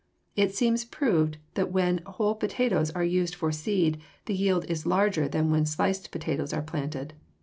It seems proved that when whole potatoes are used for seed the yield is larger than when sliced potatoes are planted.